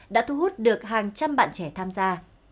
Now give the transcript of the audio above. đã thu hút được hàng trăm bạn trẻ tham gia